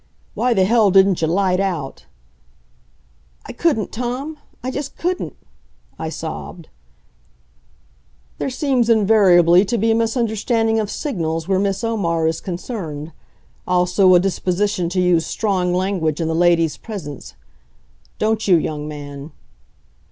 "Why the hell didn't you light out?" "I couldn't, Tom. I just couldn't," I sobbed. "There seems invariably to be a misunderstanding of signals where Miss Omar is concerned. Also a disposition to use strong language in the lady's presence. Don't you, young man!"